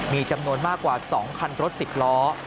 มีจำนวนมากกว่า๒คันรถ๑๐ล้อ